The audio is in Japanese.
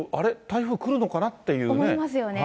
台風来るのかなっていうね。